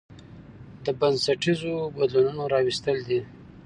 د بنسټيزو بدلونونو راوستل دي